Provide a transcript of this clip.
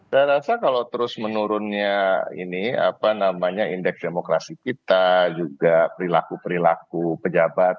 saya rasa kalau terus menurunnya ini apa namanya indeks demokrasi kita juga perilaku perilaku pejabat